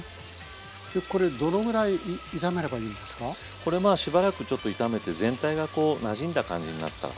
これまあしばらくちょっと炒めて全体がこうなじんだ感じになったら。